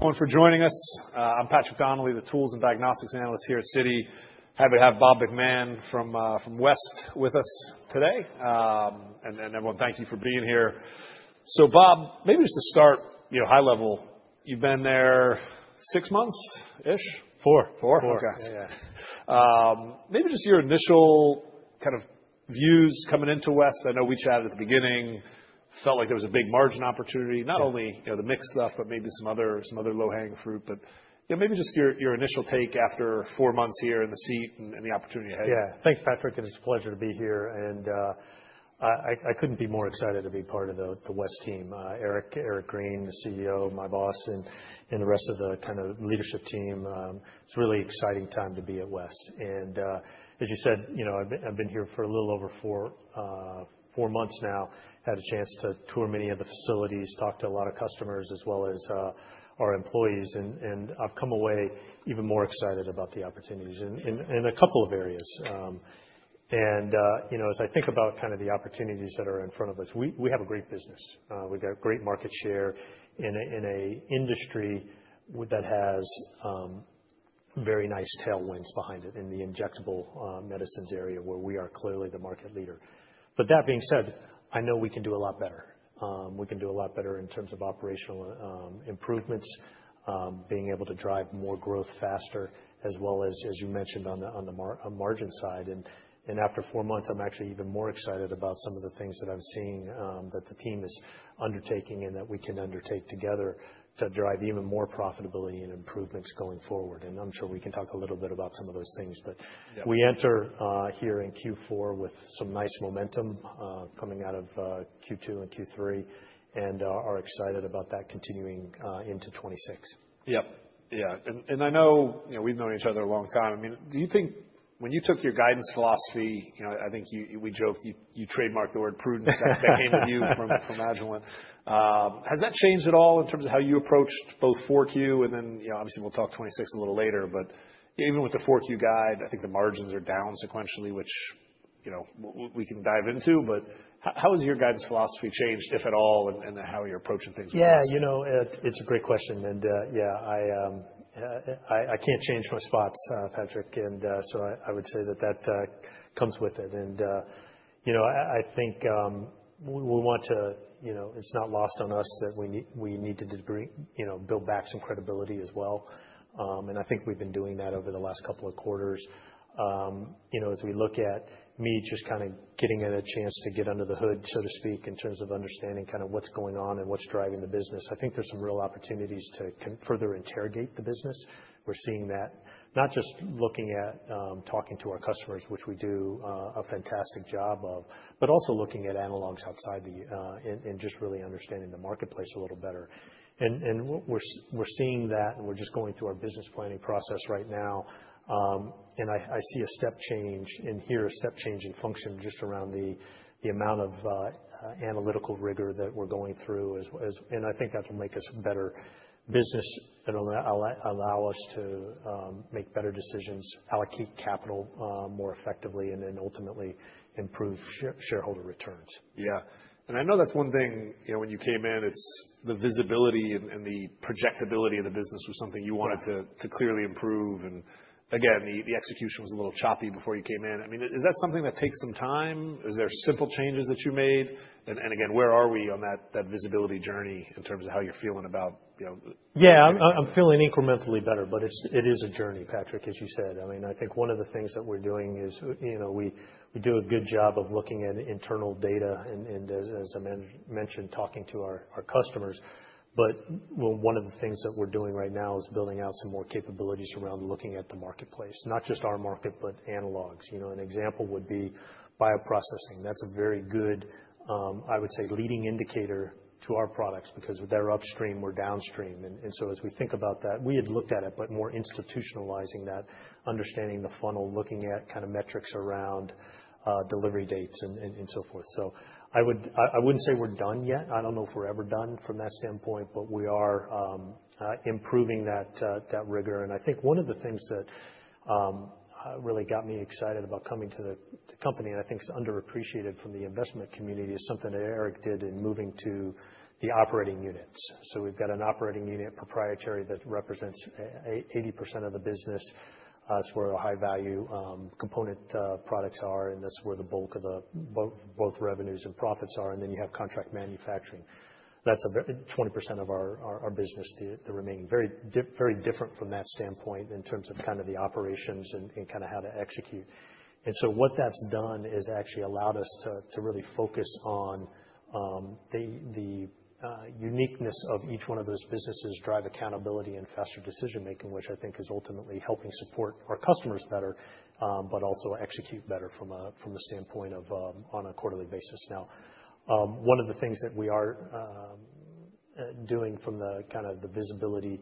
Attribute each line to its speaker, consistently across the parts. Speaker 1: Thank you for joining us. I'm Patrick Donnelly, the Tools and Diagnostics Analyst here at Citi. Happy to have Bob McMahon from West with us today. And everyone, thank you for being here. So Bob, maybe just to start, high level, you've been there six months-ish?
Speaker 2: Four.
Speaker 1: Four?
Speaker 2: Four.
Speaker 1: Okay. Maybe just your initial kind of views coming into West. I know we chatted at the beginning, felt like there was a big margin opportunity, not only the mixed stuff, but maybe some other low-hanging fruit. But maybe just your initial take after four months here in the seat and the opportunity ahead.
Speaker 2: Yeah. Thanks, Patrick. It is a pleasure to be here, and I couldn't be more excited to be part of the West team. Eric Green, the CEO, my boss, and the rest of the kind of leadership team. It's a really exciting time to be at West, and as you said, I've been here for a little over four months now. I had a chance to tour many of the facilities, talk to a lot of customers, as well as our employees. I've come away even more excited about the opportunities in a couple of areas, and as I think about kind of the opportunities that are in front of us, we have a great business. We've got great market share in an industry that has very nice tailwinds behind it in the injectable medicines area where we are clearly the market leader. But that being said, I know we can do a lot better. We can do a lot better in terms of operational improvements, being able to drive more growth faster, as well as, as you mentioned, on the margin side. And after four months, I'm actually even more excited about some of the things that I'm seeing that the team is undertaking and that we can undertake together to drive even more profitability and improvements going forward. And I'm sure we can talk a little bit about some of those things. But we enter here in Q4 with some nice momentum coming out of Q2 and Q3 and are excited about that continuing into 2026.
Speaker 1: Yep. Yeah, and I know we've known each other a long time. I mean, do you think when you took your guidance philosophy, I think we joked you trademarked the word prudence that came with you from Agilent? Has that changed at all in terms of how you approached both 4Q? And then obviously, we'll talk '26 a little later, but even with the 4Q guide, I think the margins are down sequentially, which we can dive into, but how has your guidance philosophy changed, if at all, and how you're approaching things with that?
Speaker 2: Yeah. You know, it's a great question. Yeah, I can't change my spots, Patrick. So I would say that that comes with it. I think we want to. It's not lost on us that we need to build back some credibility as well. I think we've been doing that over the last couple of quarters. As we look at me just kind of getting a chance to get under the hood, so to speak, in terms of understanding kind of what's going on and what's driving the business, I think there's some real opportunities to further interrogate the business. We're seeing that not just looking at talking to our customers, which we do a fantastic job of, but also looking at analogs outside the and just really understanding the marketplace a little better. We're seeing that. And we're just going through our business planning process right now. And I see a step change and hear a step change in function just around the amount of analytical rigor that we're going through. And I think that will make us a better business. It'll allow us to make better decisions, allocate capital more effectively, and then ultimately improve shareholder returns.
Speaker 1: Yeah. And I know that's one thing when you came in, it's the visibility and the projectability of the business was something you wanted to clearly improve. And again, the execution was a little choppy before you came in. I mean, is that something that takes some time? Is there simple changes that you made? And again, where are we on that visibility journey in terms of how you're feeling about?
Speaker 2: Yeah, I'm feeling incrementally better, but it is a journey, Patrick, as you said. I mean, I think one of the things that we're doing is we do a good job of looking at internal data and, as I mentioned, talking to our customers. But one of the things that we're doing right now is building out some more capabilities around looking at the marketplace, not just our market, but analogs. An example would be bioprocessing. That's a very good, I would say, leading indicator to our products because they're upstream or downstream. And so as we think about that, we had looked at it, but more institutionalizing that, understanding the funnel, looking at kind of metrics around delivery dates and so forth. So I wouldn't say we're done yet. I don't know if we're ever done from that standpoint, but we are improving that rigor. And I think one of the things that really got me excited about coming to the company, and I think it's underappreciated from the investment community, is something that Eric did in moving to the operating units. So we've got an operating unit Proprietary that represents 80% of the business. That's where our high-value component products are. And that's where the bulk of both revenues and profits are. And then you have contract manufacturing. That's 20% of our business, the remaining very different from that standpoint in terms of kind of the operations and kind of how to execute. And so what that's done is actually allowed us to really focus on the uniqueness of each one of those businesses, drive accountability and faster decision-making, which I think is ultimately helping support our customers better, but also execute better from the standpoint of on a quarterly basis. Now, one of the things that we are doing from the kind of the visibility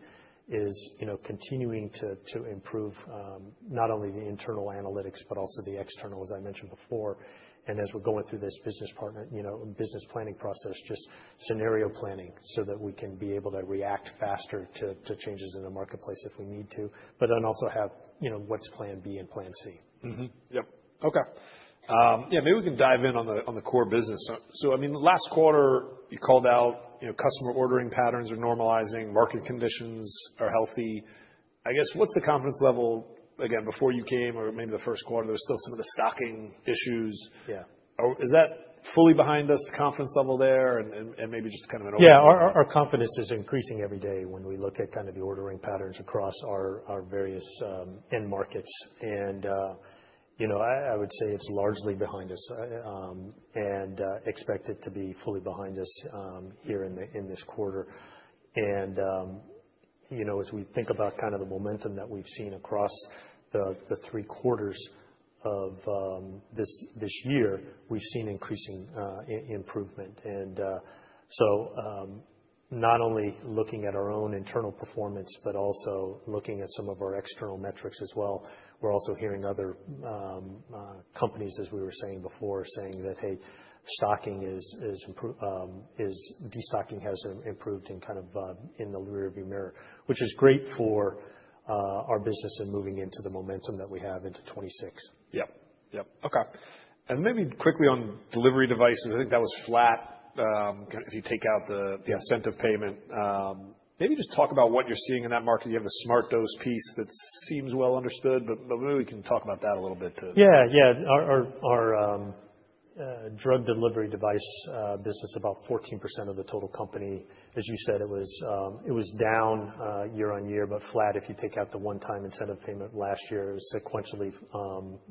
Speaker 2: is continuing to improve not only the internal analytics, but also the external, as I mentioned before, and as we're going through this business planning process, just scenario planning so that we can be able to react faster to changes in the marketplace if we need to, but then also have what's plan B and plan C.
Speaker 1: Yep. Okay. Yeah, maybe we can dive in on the core business. So I mean, last quarter, you called out customer ordering patterns are normalizing, market conditions are healthy. I guess what's the confidence level, again, before you came or maybe the first quarter, there was still some of the stocking issues. Is that fully behind us, the confidence level there, and maybe just kind of an overall?
Speaker 2: Yeah, our confidence is increasing every day when we look at kind of the ordering patterns across our various end markets. And I would say it's largely behind us and expected to be fully behind us here in this quarter. And as we think about kind of the momentum that we've seen across the three quarters of this year, we've seen increasing improvement. And so not only looking at our own internal performance, but also looking at some of our external metrics as well. We're also hearing other companies, as we were saying before, saying that, hey, stocking is de-stocking has improved in kind of the rearview mirror, which is great for our business and moving into the momentum that we have into 2026.
Speaker 1: Okay. And maybe quickly on delivery devices, I think that was flat. Kind of if you take out the incentive payment, maybe just talk about what you're seeing in that market. You have the SmartDose piece that seems well understood, but maybe we can talk about that a little bit too.
Speaker 2: Yeah. Yeah. Our drug delivery device business, about 14% of the total company. As you said, it was down year on year, but flat if you take out the one-time incentive payment last year. It was sequentially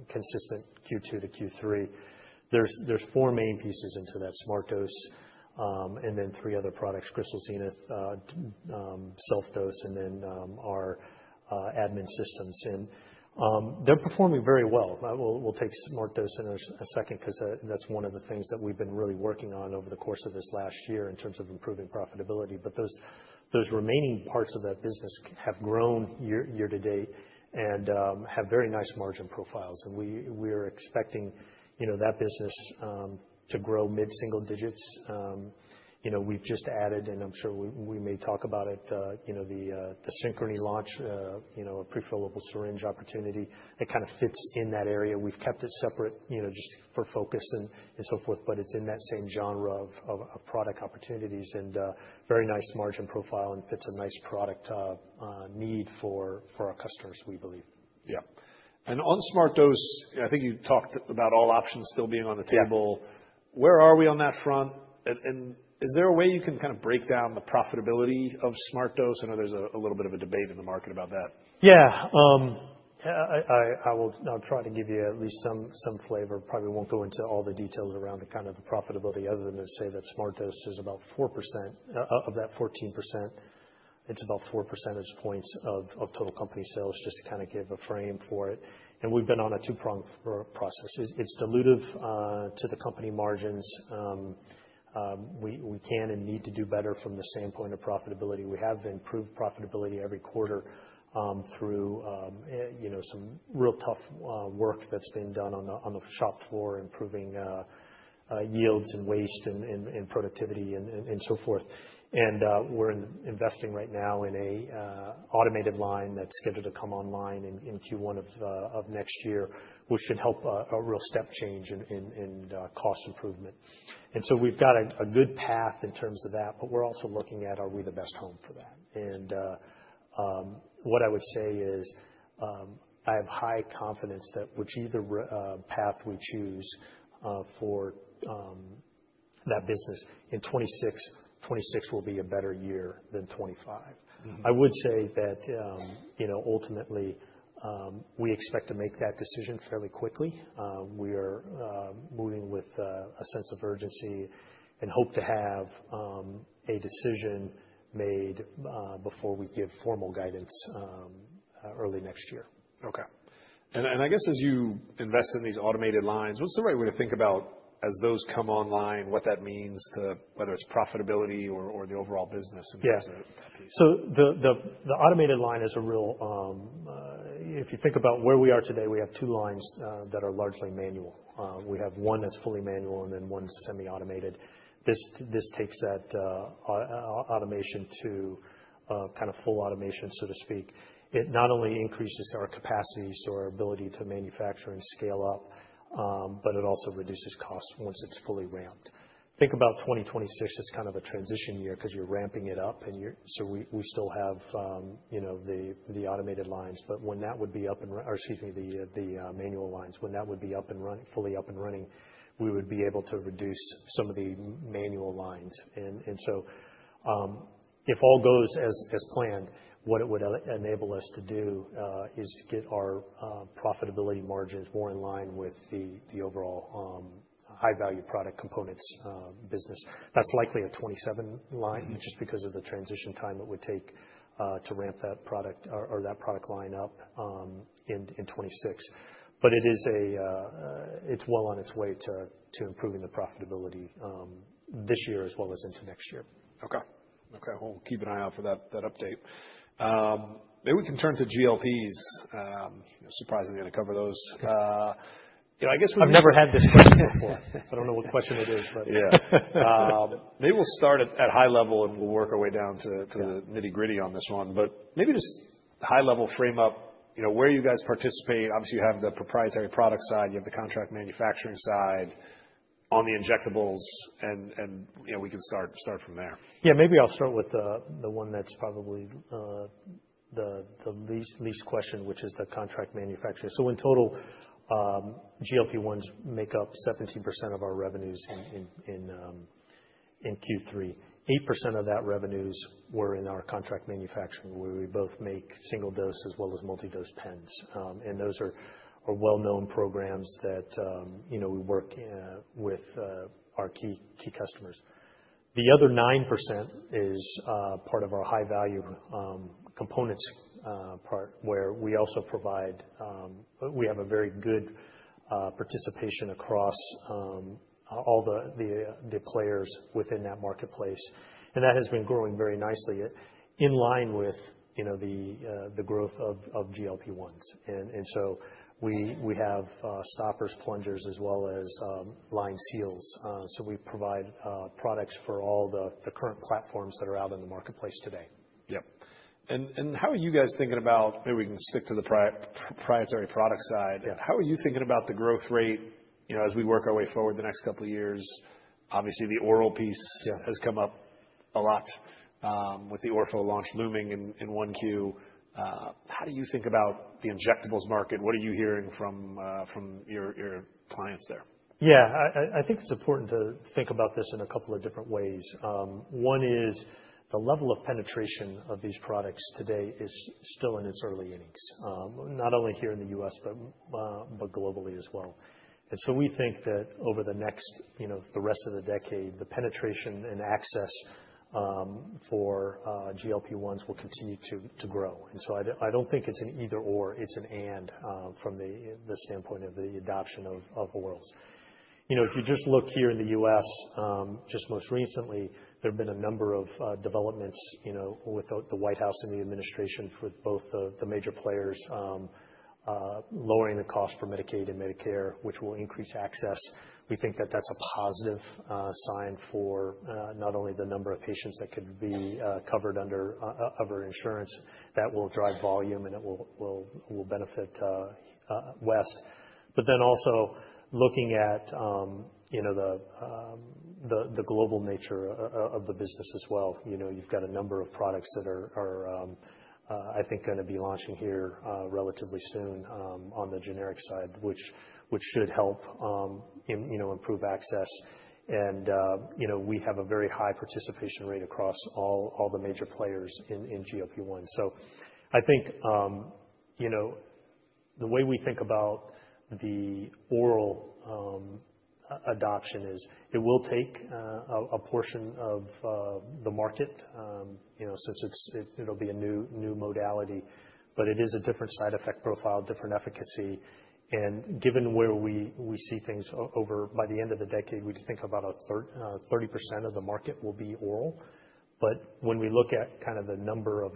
Speaker 2: consistent Q2 to Q3. There's four main pieces into that SmartDose and then three other products, Crystal Zenith, SelfDose, and then our admin systems. And they're performing very well. We'll take SmartDose in a second because that's one of the things that we've been really working on over the course of this last year in terms of improving profitability. But those remaining parts of that business have grown year to date and have very nice margin profiles. And we are expecting that business to grow mid-single digits. We've just added, and I'm sure we may talk about it, the Synchrony launch, a prefillable syringe opportunity that kind of fits in that area. We've kept it separate just for focus and so forth, but it's in that same genre of product opportunities and very nice margin profile and fits a nice product need for our customers, we believe.
Speaker 1: Yep. And on SmartDose, I think you talked about all options still being on the table. Where are we on that front? And is there a way you can kind of break down the profitability of SmartDose? I know there's a little bit of a debate in the market about that.
Speaker 2: Yeah. I will try to give you at least some flavor. Probably won't go into all the details around kind of the profitability other than to say that SmartDose is about 4% of that 14%. It's about 4 percentage points of total company sales, just to kind of give a frame for it. And we've been on a two-pronged process. It's dilutive to the company margins. We can and need to do better from the standpoint of profitability. We have improved profitability every quarter through some real tough work that's been done on the shop floor, improving yields and waste and productivity and so forth. And we're investing right now in an automated line that's scheduled to come online in Q1 of next year, which should help a real step change in cost improvement. And so we've got a good path in terms of that, but we're also looking at, are we the best home for that? And what I would say is I have high confidence that whichever path we choose for that business in 2026, 2026 will be a better year than 2025. I would say that ultimately we expect to make that decision fairly quickly. We are moving with a sense of urgency and hope to have a decision made before we give formal guidance early next year.
Speaker 1: Okay. And I guess as you invest in these automated lines, what's the right way to think about as those come online, what that means to whether it's profitability or the overall business in terms of that piece?
Speaker 2: Yeah. So the automated line is a real if you think about where we are today. We have two lines that are largely manual. We have one that's fully manual and then one semi-automated. This takes that automation to kind of full automation, so to speak. It not only increases our capacities or our ability to manufacture and scale up, but it also reduces costs once it's fully ramped. Think about 2026 as kind of a transition year because you're ramping it up. And so we still have the automated lines. But when that would be up and, or excuse me, the manual lines, when that would be up and fully up and running, we would be able to reduce some of the manual lines. And so if all goes as planned, what it would enable us to do is to get our profitability margins more in line with the overall high-value product components business. That's likely a 2027 line, just because of the transition time it would take to ramp that product or that product line up in 2026. But it's well on its way to improving the profitability this year as well as into next year.
Speaker 1: Okay. We'll keep an eye out for that update. Maybe we can turn to GLPs. Surprisingly, I cover those. I guess.
Speaker 2: I've never had this question before. I don't know what question it is, but.
Speaker 1: Yeah. Maybe we'll start at high level and we'll work our way down to the nitty-gritty on this one. But maybe just high level frame up where you guys participate. Obviously, you have the proprietary product side. You have the contract manufacturing side on the injectables. And we can start from there.
Speaker 2: Yeah. Maybe I'll start with the one that's probably the least question, which is the contract manufacturing. So in total, GLP-1s make up 17% of our revenues in Q3. 8% of that revenues were in our contract manufacturing, where we both make single-dose as well as multi-dose pens. And those are well-known programs that we work with our key customers. The other 9% is part of our high-value components part, where we also provide. We have a very good participation across all the players within that marketplace. And that has been growing very nicely in line with the growth of GLP-1s. And so we have stoppers, plungers, as well as line seals. So we provide products for all the current platforms that are out in the marketplace today.
Speaker 1: Yep. And how are you guys thinking about? Maybe we can stick to the proprietary product side. How are you thinking about the growth rate as we work our way forward the next couple of years? Obviously, the oral piece has come up a lot with the Orforglipron launch looming in Q1. How do you think about the injectables market? What are you hearing from your clients there?
Speaker 2: Yeah. I think it's important to think about this in a couple of different ways. One is the level of penetration of these products today is still in its early innings, not only here in the U.S., but globally as well. And so we think that over the next, the rest of the decade, the penetration and access for GLP-1s will continue to grow. And so I don't think it's an either/or. It's an and from the standpoint of the adoption of orals. If you just look here in the U.S., just most recently, there have been a number of developments with the White House and the administration with both the major players lowering the cost for Medicaid and Medicare, which will increase access. We think that that's a positive sign for not only the number of patients that could be covered under insurance that will drive volume and it will benefit West. But then also looking at the global nature of the business as well, you've got a number of products that are, I think, going to be launching here relatively soon on the generic side, which should help improve access. And we have a very high participation rate across all the major players in GLP-1s. So I think the way we think about the oral adoption is it will take a portion of the market since it'll be a new modality, but it is a different side effect profile, different efficacy. And given where we see things over by the end of the decade, we think about 30% of the market will be oral. When we look at kind of the number of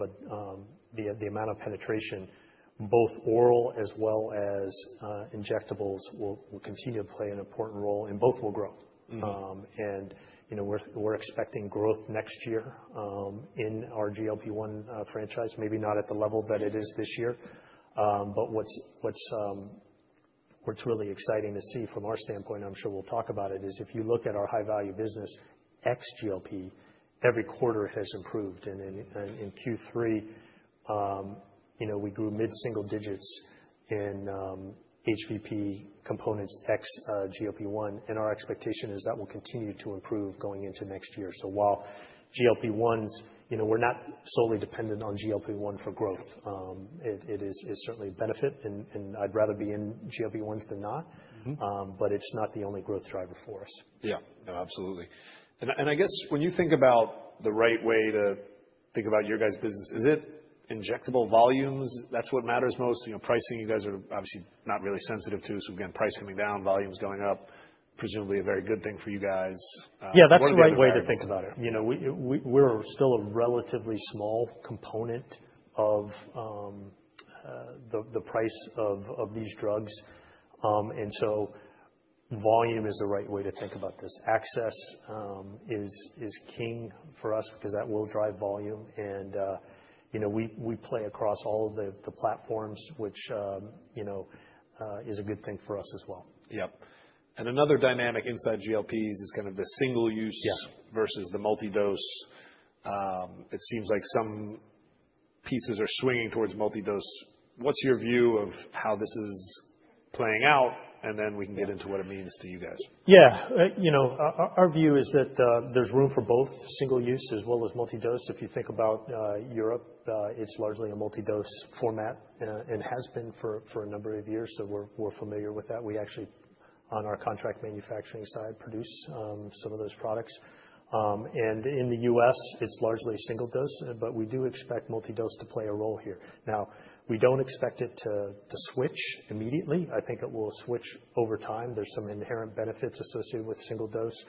Speaker 2: the amount of penetration, both oral as well as injectables will continue to play an important role, and both will grow. We're expecting growth next year in our GLP-1 franchise, maybe not at the level that it is this year. What's really exciting to see from our standpoint, I'm sure we'll talk about it, is if you look at our high-value business ex GLP, every quarter has improved. In Q3, we grew mid-single digits in HVP components ex GLP-1. Our expectation is that will continue to improve going into next year. While GLP-1s, we're not solely dependent on GLP-1 for growth. It is certainly a benefit, and I'd rather be in GLP-1s than not, but it's not the only growth driver for us.
Speaker 1: Yeah. No, absolutely. And I guess when you think about the right way to think about your guys' business, is it injectable volumes? That's what matters most. Pricing, you guys are obviously not really sensitive to. So again, price coming down, volumes going up, presumably a very good thing for you guys.
Speaker 2: Yeah, that's the right way to think about it. We're still a relatively small component of the price of these drugs. And so volume is the right way to think about this. Access is king for us because that will drive volume. And we play across all of the platforms, which is a good thing for us as well.
Speaker 1: Yep. And another dynamic inside GLPs is kind of the single use versus the multi-dose. It seems like some pieces are swinging towards multi-dose. What's your view of how this is playing out? And then we can get into what it means to you guys.
Speaker 2: Yeah. Our view is that there's room for both single use as well as multi-dose. If you think about Europe, it's largely a multi-dose format and has been for a number of years. So we're familiar with that. We actually, on our contract manufacturing side, produce some of those products, and in the U.S., it's largely single dose, but we do expect multi-dose to play a role here. Now, we don't expect it to switch immediately. I think it will switch over time. There's some inherent benefits associated with single dose.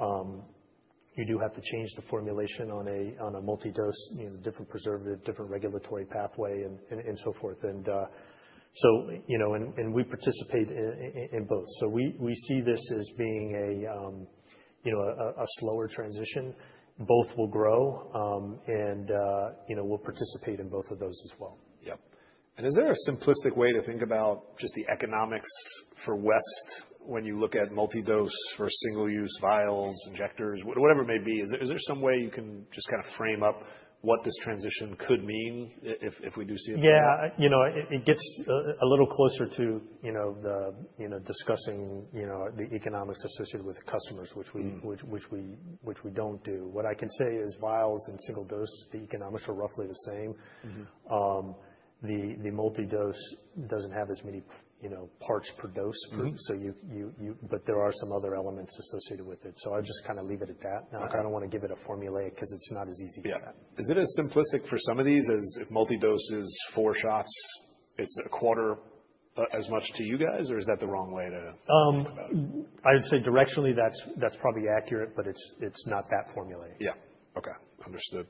Speaker 2: You do have to change the formulation on a multi-dose, different preservative, different regulatory pathway, and so forth, and so we participate in both, so we see this as being a slower transition. Both will grow, and we'll participate in both of those as well.
Speaker 1: Yep. And is there a simplistic way to think about just the economics for West when you look at multi-dose versus single use vials, injectors, whatever it may be? Is there some way you can just kind of frame up what this transition could mean if we do see it?
Speaker 2: Yeah. It gets a little closer to discussing the economics associated with customers, which we don't do. What I can say is vials and single dose, the economics are roughly the same. The multi-dose doesn't have as many parts per dose, but there are some other elements associated with it. So I just kind of leave it at that. I don't want to give it a formula because it's not as easy as that.
Speaker 1: Yeah. Is it as simplistic for some of these as if multi-dose is four shots, it's a quarter as much to you guys, or is that the wrong way to think about it?
Speaker 2: I would say directionally, that's probably accurate, but it's not that formulaic.
Speaker 1: Yeah. Okay. Understood.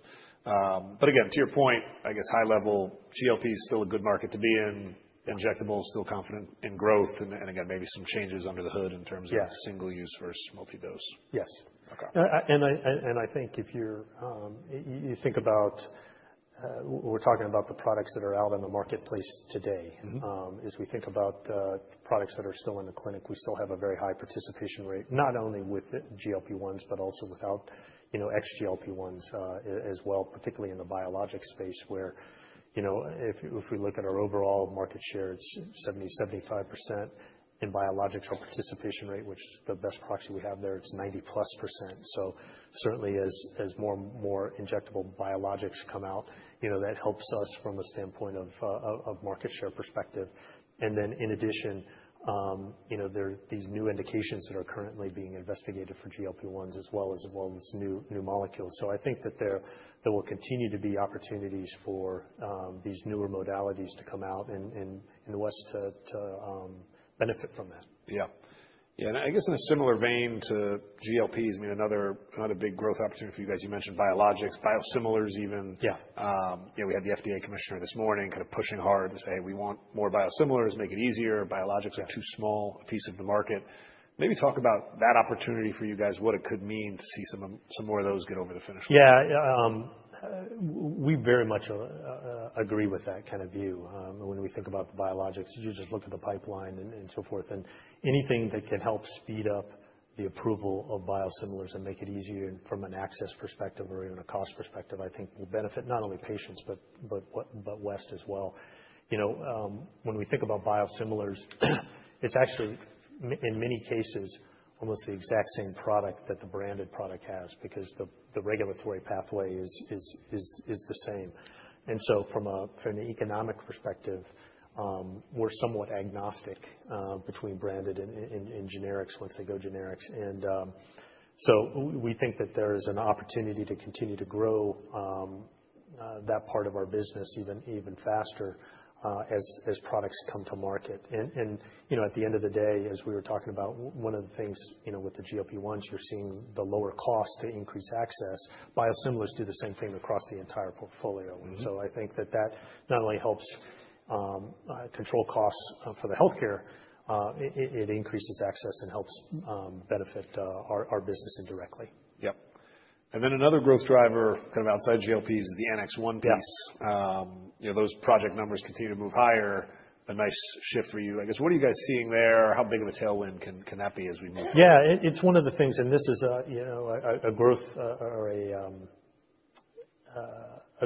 Speaker 1: But again, to your point, I guess high-level GLP is still a good market to be in. Injectable is still confident in growth. And again, maybe some changes under the hood in terms of single-use versus multi-dose.
Speaker 2: Yes. And I think if you think about we're talking about the products that are out in the marketplace today. As we think about the products that are still in the clinic, we still have a very high participation rate, not only with GLP-1s, but also non-GLP-1s as well, particularly in the biologics space, where if we look at our overall market share, it's 70%-75% in biologics or participation rate, which is the best proxy we have there. It's 90% plus. So certainly, as more injectable biologics come out, that helps us from a standpoint of market share perspective. And then in addition, there are these new indications that are currently being investigated for GLP-1s as well as new molecules. So I think that there will continue to be opportunities for these newer modalities to come out and West to benefit from that.
Speaker 1: Yeah. Yeah. And I guess in a similar vein to GLPs, I mean, another big growth opportunity for you guys, you mentioned biologics, biosimilars even. We had the FDA commissioner this morning kind of pushing hard to say, "Hey, we want more biosimilars, make it easier." Biologics are too small a piece of the market. Maybe talk about that opportunity for you guys, what it could mean to see some more of those get over the finish line.
Speaker 2: Yeah. We very much agree with that kind of view. When we think about biologics, you just look at the pipeline and so forth, and anything that can help speed up the approval of biosimilars and make it easier from an access perspective or even a cost perspective, I think will benefit not only patients, but West as well. When we think about biosimilars, it's actually in many cases almost the exact same product that the branded product has because the regulatory pathway is the same, and so from an economic perspective, we're somewhat agnostic between branded and generics once they go generics, and so we think that there is an opportunity to continue to grow that part of our business even faster as products come to market. At the end of the day, as we were talking about, one of the things with the GLP-1s, you're seeing the lower cost to increase access. Biosimilars do the same thing across the entire portfolio. And so I think that that not only helps control costs for the healthcare, it increases access and helps benefit our business indirectly.
Speaker 1: Yep. And then another growth driver kind of outside GLPs is the NX1 piece. Those project numbers continue to move higher. A nice shift for you. I guess what are you guys seeing there? How big of a tailwind can that be as we move forward?
Speaker 2: Yeah. It's one of the things, and this is a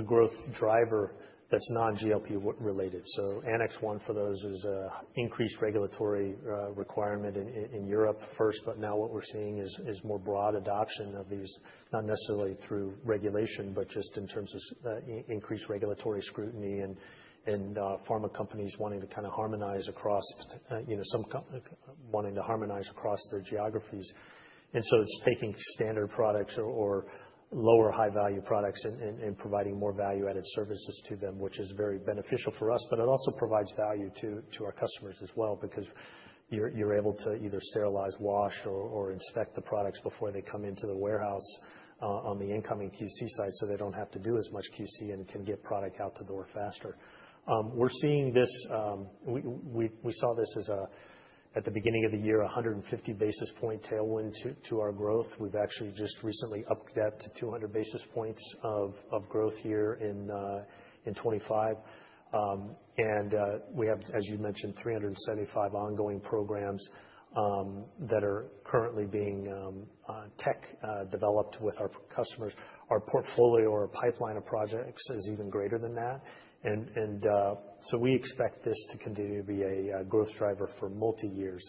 Speaker 2: growth driver that's non-GLP related. So NX1 for those is an increased regulatory requirement in Europe first, but now what we're seeing is more broad adoption of these, not necessarily through regulation, but just in terms of increased regulatory scrutiny and pharma companies wanting to kind of harmonize across wanting to harmonize across their geographies. And so it's taking standard products or lower high-value products and providing more value-added services to them, which is very beneficial for us, but it also provides value to our customers as well because you're able to either sterilize, wash, or inspect the products before they come into the warehouse on the incoming QC side so they don't have to do as much QC and can get product out the door faster. We're seeing this. We saw this as a, at the beginning of the year, 150 basis point tailwind to our growth. We've actually just recently upped that to 200 basis points of growth here in 2025. And we have, as you mentioned, 375 ongoing programs that are currently being tech developed with our customers. Our portfolio or pipeline of projects is even greater than that. And so we expect this to continue to be a growth driver for multi-years.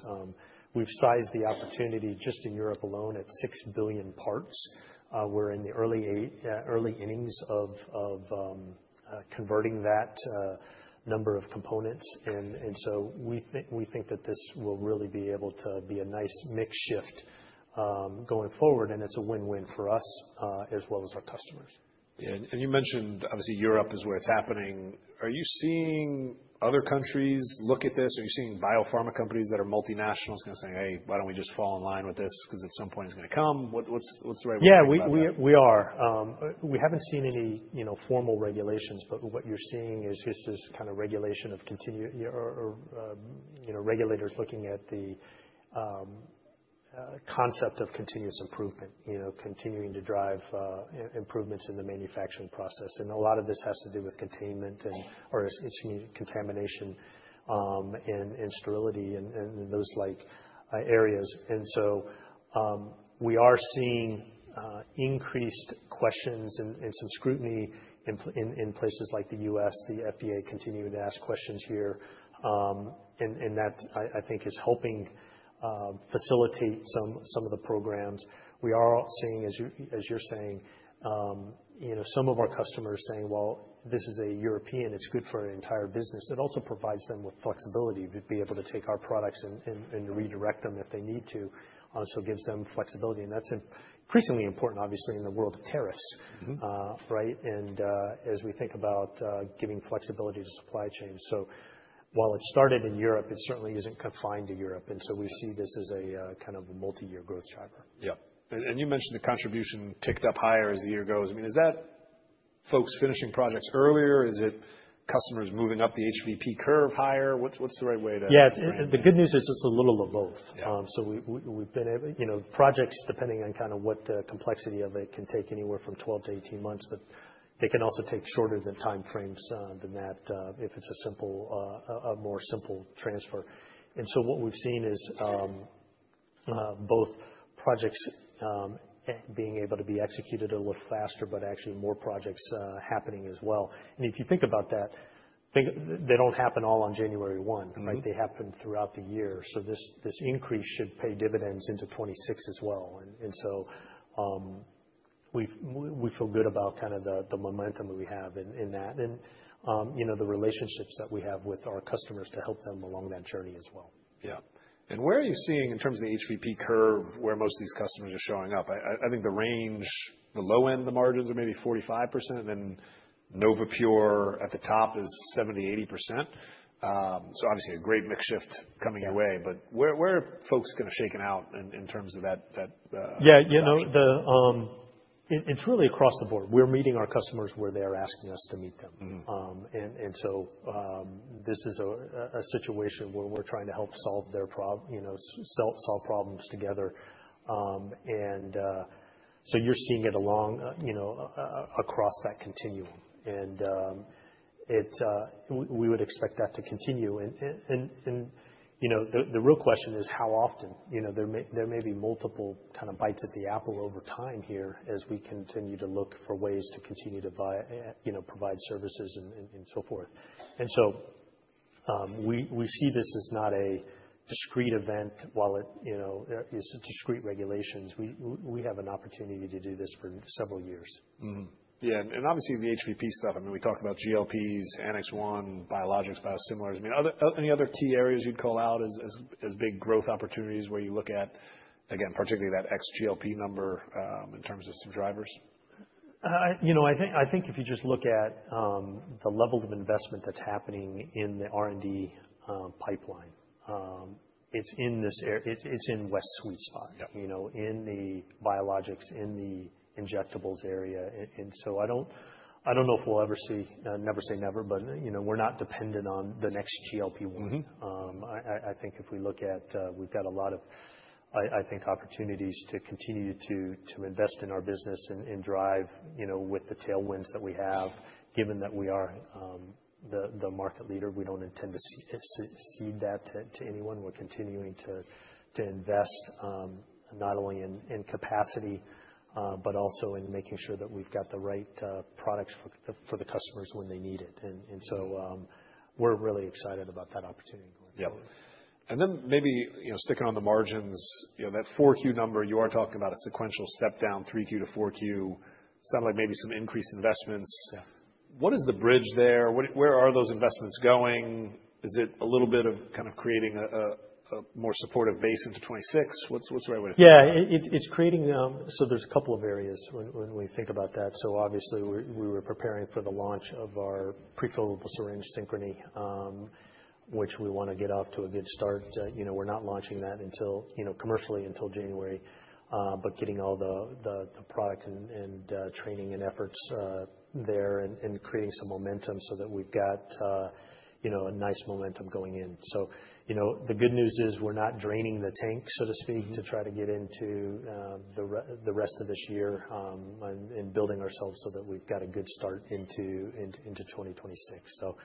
Speaker 2: We've sized the opportunity just in Europe alone at 6 billion parts. We're in the early innings of converting that number of components. And so we think that this will really be able to be a nice mix shift going forward, and it's a win-win for us as well as our customers.
Speaker 1: Yeah. And you mentioned obviously Europe is where it's happening. Are you seeing other countries look at this? Are you seeing biopharma companies that are multinationals kind of saying, "Hey, why don't we just fall in line with this because at some point it's going to come?" What's the right way to look at it?
Speaker 2: Yeah, we are. We haven't seen any formal regulations, but what you're seeing is just this kind of regulation of continued regulators looking at the concept of continuous improvement, continuing to drive improvements in the manufacturing process, and a lot of this has to do with containment or contamination and sterility and those like areas, and so we are seeing increased questions and some scrutiny in places like the U.S., the FDA continuing to ask questions here, and that, I think, is helping facilitate some of the programs. We are seeing, as you're saying, some of our customers saying, "Well, this is a European. It's good for our entire business." It also provides them with flexibility to be able to take our products and redirect them if they need to. So it gives them flexibility, and that's increasingly important, obviously, in the world of tariffs, right? As we think about giving flexibility to supply chains. While it started in Europe, it certainly isn't confined to Europe. We see this as a kind of a multi-year growth driver.
Speaker 1: Yep. And you mentioned the contribution ticked up higher as the year goes. I mean, is that folks finishing projects earlier? Is it customers moving up the HVP curve higher? What's the right way to?
Speaker 2: Yeah. The good news is it's a little of both. So we've been able to get projects, depending on kind of what the complexity of it is, can take anywhere from 12 to 18 months, but they can also take shorter time frames than that if it's a more simple transfer. And so what we've seen is both projects being able to be executed a little faster, but actually more projects happening as well. And if you think about that, they don't happen all on January 1, right? They happen throughout the year. So this increase should pay dividends into 2026 as well. And so we feel good about kind of the momentum we have in that and the relationships that we have with our customers to help them along that journey as well.
Speaker 1: Yeah. And where are you seeing in terms of the HVP curve where most of these customers are showing up? I think the range, the low end, the margins are maybe 45%, and then NovaPure at the top is 70%-80%. So obviously a great mix shift coming your way, but where are folks kind of shaken out in terms of that?
Speaker 2: Yeah. It's really across the board. We're meeting our customers where they're asking us to meet them. And so this is a situation where we're trying to help solve their problems, solve problems together. And so you're seeing it all across that continuum. And we would expect that to continue. And the real question is how often. There may be multiple kinds of bites at the apple over time here as we continue to look for ways to continue to provide services and so forth. And so we see this as not a discrete event while it is discrete regulations. We have an opportunity to do this for several years.
Speaker 1: Yeah. And obviously the HVP stuff, I mean, we talked about GLPs, NX1, biologics, biosimilars. I mean, any other key areas you'd call out as big growth opportunities where you look at, again, particularly that ex-GLP number in terms of some drivers?
Speaker 2: I think if you just look at the level of investment that's happening in the R&D pipeline, it's in West's sweet spot, in the biologics, in the injectables area. And so I don't know if we'll ever see, never say never, but we're not dependent on the next GLP-1. I think if we look at, we've got a lot of, I think, opportunities to continue to invest in our business and drive with the tailwinds that we have. Given that we are the market leader, we don't intend to cede that to anyone. We're continuing to invest not only in capacity, but also in making sure that we've got the right products for the customers when they need it. And so we're really excited about that opportunity going forward.
Speaker 1: Yep. And then maybe sticking on the margins, that 4Q number, you are talking about a sequential step down 3Q to 4Q. It sounded like maybe some increased investments. What is the bridge there? Where are those investments going? Is it a little bit of kind of creating a more supportive base into 2026? What's the right way to think?
Speaker 2: Yeah. So there's a couple of areas when we think about that. So obviously, we were preparing for the launch of our prefillable syringe Synchrony, which we want to get off to a good start. We're not launching that commercially until January, but getting all the product and training and efforts there and creating some momentum so that we've got a nice momentum going in. So the good news is we're not draining the tank, so to speak, to try to get into the rest of this year and building ourselves so that we've got a good start into 2026. So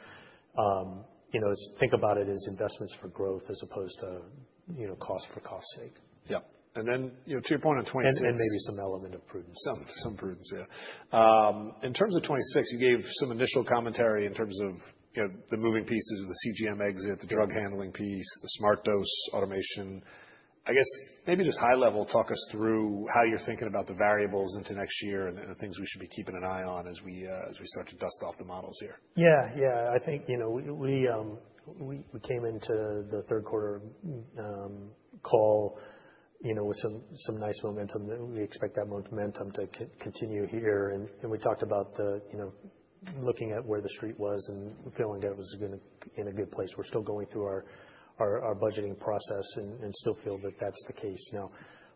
Speaker 2: think about it as investments for growth as opposed to cost for cost's sake.
Speaker 1: Yep. And then to your point on 2026.
Speaker 2: And maybe some element of prudence.
Speaker 1: Some prudence, yeah. In terms of 2026, you gave some initial commentary in terms of the moving pieces of the CGM exit, the drug handling piece, the SmartDose automation. I guess maybe just high-level, talk us through how you're thinking about the variables into next year and the things we should be keeping an eye on as we start to dust off the models here?
Speaker 2: Yeah. Yeah. I think we came into the third quarter call with some nice momentum. We expect that momentum to continue here. And we talked about looking at where the street was and feeling that it was in a good place. We're still going through our budgeting process and still feel that that's the case. Now,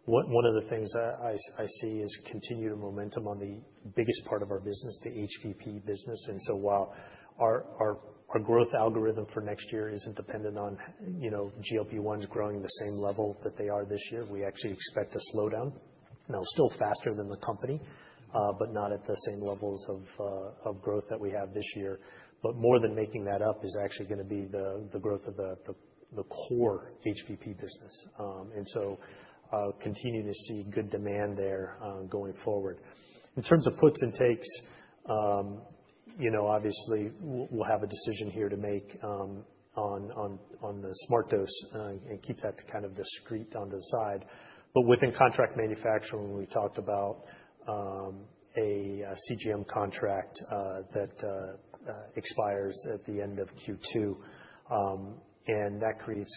Speaker 2: one of the things I see is continued momentum on the biggest part of our business, the HVP business. And so while our growth algorithm for next year isn't dependent on GLP-1s growing the same level that they are this year, we actually expect a slowdown. Now, still faster than the company, but not at the same levels of growth that we have this year. But more than making that up is actually going to be the growth of the core HVP business. And so continue to see good demand there going forward. In terms of puts and takes, obviously, we'll have a decision here to make on the SmartDose and keep that kind of discreet on the side. But within contract manufacturing, we talked about a CGM contract that expires at the end of Q2. And that creates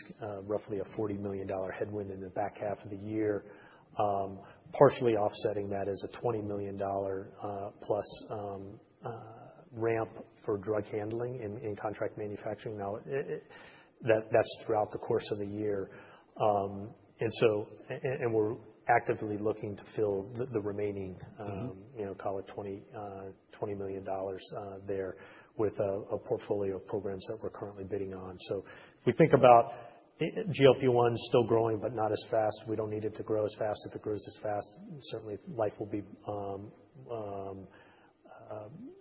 Speaker 2: roughly a $40 million headwind in the back half of the year, partially offsetting that as a $20 million plus ramp for drug handling in contract manufacturing. Now, that's throughout the course of the year. And we're actively looking to fill the remaining, call it $20 million there with a portfolio of programs that we're currently bidding on. So if we think about GLP-1s still growing, but not as fast, we don't need it to grow as fast. If it grows as fast, certainly life will be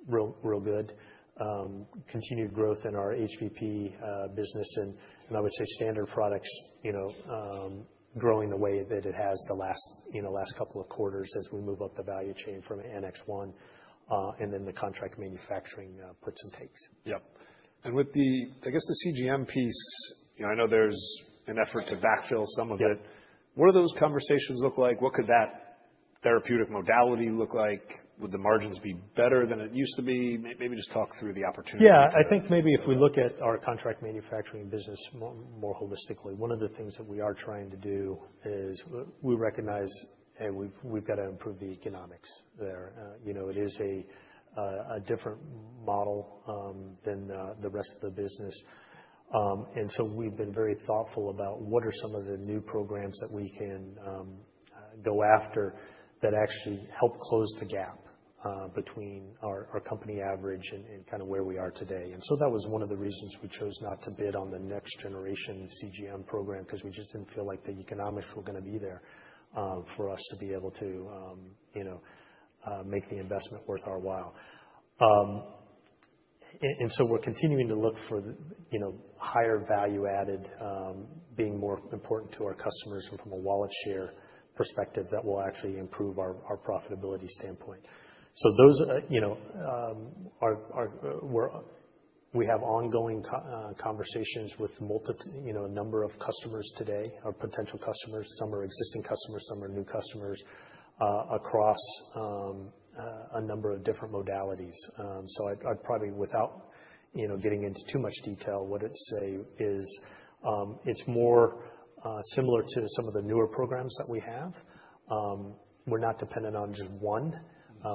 Speaker 2: real good. Continued growth in our HVP business, and I would say standard products growing the way that it has the last couple of quarters as we move up the value chain from NX1, and then the contract manufacturing puts and takes.
Speaker 1: Yep. And with the, I guess, CGM piece, I know there's an effort to backfill some of it. What do those conversations look like? What could that therapeutic modality look like? Would the margins be better than it used to be? Maybe just talk through the opportunities.
Speaker 2: Yeah. I think maybe if we look at our contract manufacturing business more holistically, one of the things that we are trying to do is we recognize we've got to improve the economics there. It is a different model than the rest of the business. And so we've been very thoughtful about what are some of the new programs that we can go after that actually help close the gap between our company average and kind of where we are today. And so that was one of the reasons we chose not to bid on the next generation CGM program because we just didn't feel like the economics were going to be there for us to be able to make the investment worth our while. And so we're continuing to look for higher value added being more important to our customers from a wallet share perspective that will actually improve our profitability standpoint. So we have ongoing conversations with a number of customers today, our potential customers. Some are existing customers, some are new customers across a number of different modalities. So I'd probably, without getting into too much detail, what I'd say is it's more similar to some of the newer programs that we have. We're not dependent on just one.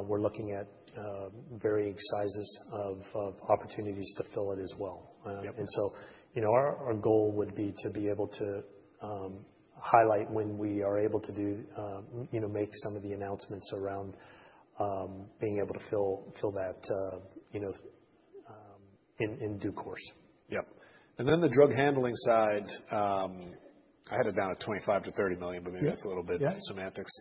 Speaker 2: We're looking at varying sizes of opportunities to fill it as well. And so our goal would be to be able to highlight when we are able to make some of the announcements around being able to fill that in due course.
Speaker 1: Yep. And then the drug handling side, I had it down at $25 million-$30 million, but maybe that's a little bit of semantics.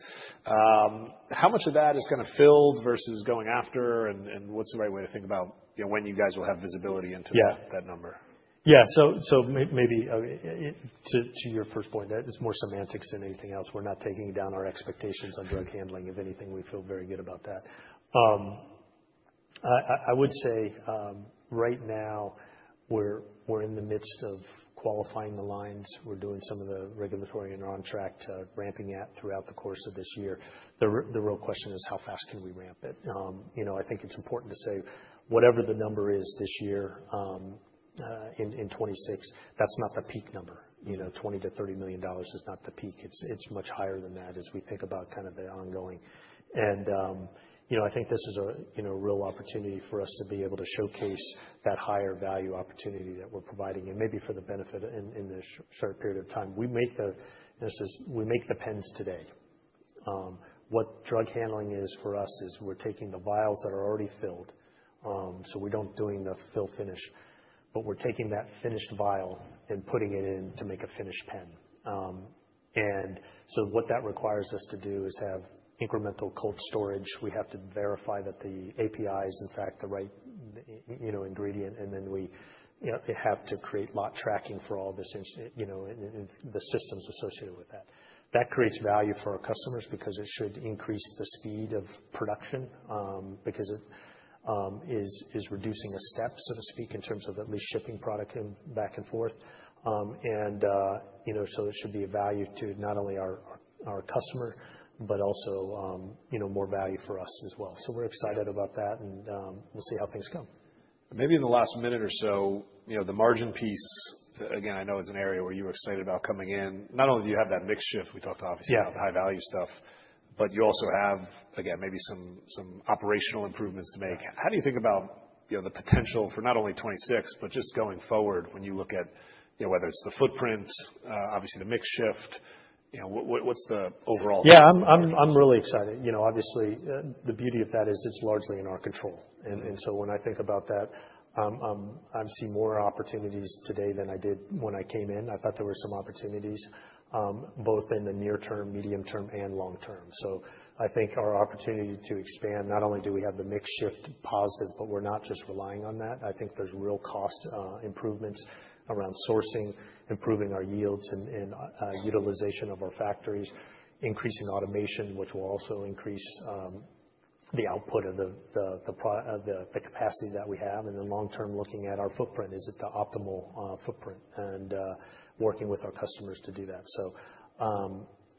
Speaker 1: How much of that is kind of filled versus going after? And what's the right way to think about when you guys will have visibility into that number?
Speaker 2: Yeah. So maybe to your first point, it's more semantics than anything else. We're not taking down our expectations on drug handling. If anything, we feel very good about that. I would say right now we're in the midst of qualifying the lines. We're doing some of the regulatory and on track to ramping up throughout the course of this year. The real question is how fast can we ramp it? I think it's important to say whatever the number is this year in 2026, that's not the peak number. $20 million-$30 million is not the peak. It's much higher than that as we think about kind of the ongoing. And I think this is a real opportunity for us to be able to showcase that higher value opportunity that we're providing and maybe for the benefit in the short period of time. We make the pens today. What drug handling is for us is we're taking the vials that are already filled, so we don't do the fill-finish, but we're taking that finished vial and putting it in to make a finished pen, and so what that requires us to do is have incremental cold storage. We have to verify that the API is in fact the right ingredient, and then we have to create lot tracking for all this and the systems associated with that. That creates value for our customers because it should increase the speed of production because it is reducing a step, so to speak, in terms of at least shipping product back and forth, and so it should be a value to not only our customer, but also more value for us as well. So we're excited about that, and we'll see how things go.
Speaker 1: Maybe in the last minute or so, the margin piece, again, I know is an area where you're excited about coming in. Not only do you have that mix shift, we talked obviously about the high value stuff, but you also have, again, maybe some operational improvements to make. How do you think about the potential for not only 2026, but just going forward when you look at whether it's the footprint, obviously the mix shift? What's the overall?
Speaker 2: Yeah. I'm really excited. Obviously, the beauty of that is it's largely in our control. And so when I think about that, I'm seeing more opportunities today than I did when I came in. I thought there were some opportunities both in the near term, medium term, and long term. So I think our opportunity to expand, not only do we have the mix shift positive, but we're not just relying on that. I think there's real cost improvements around sourcing, improving our yields and utilization of our factories, increasing automation, which will also increase the output of the capacity that we have. And then long term, looking at our footprint, is it the optimal footprint? And working with our customers to do that. So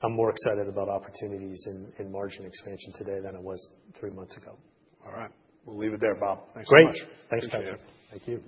Speaker 2: I'm more excited about opportunities in margin expansion today than I was three months ago.
Speaker 1: All right. We'll leave it there, Bob. Thanks so much.
Speaker 2: Great. Thanks, Patrick.
Speaker 1: Thank you.